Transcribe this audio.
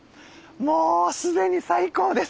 もうすでに最高です。